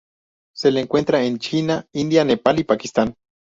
Se le encuentra en China, India, Nepal, y Pakistán.